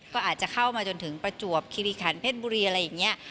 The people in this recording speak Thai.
ก็อาจจะเข้ามาจนถึงประจวบคิริขันเพชรบุรีอะไรอย่างนี้